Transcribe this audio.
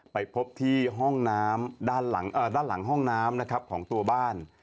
ไปพบที่ห้องน้ำด้านหลังห้องน้ำนะครับของตัวบ้าน